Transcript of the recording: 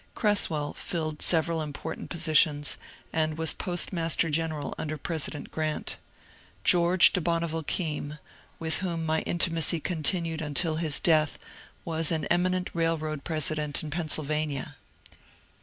Cresswell filled several important positions, and was postmaster general under President Grant. George De Bonneville Keim^ with whom my intimacy continued until his death, was an eminent railroad president in Pennsylvania.